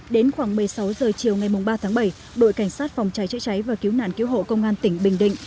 đến khoảng một mươi sáu h chiều ngày ba tháng bảy đội cảnh sát phòng cháy chữa cháy và cứu nạn cứu hộ công an tỉnh bình định